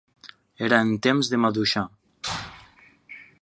Era en temps de maduixar.